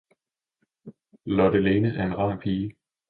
Lotte-Lene er en rar pige!